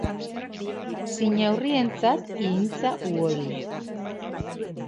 Xinaurrientzat, ihintza uholde